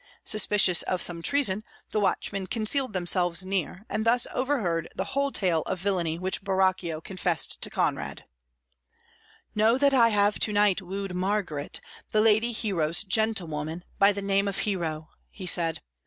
Suspicious of some treason, the watchmen concealed themselves near, and thus overheard the whole tale of villainy which Borachio confessed to Conrade. "Know that I have to night wooed Margaret, the lady Hero's gentlewoman, by the name of Hero," he said.